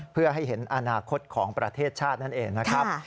เพื่อให้เห็นอนาคตของประเทศชาตินั่นเองนะครับ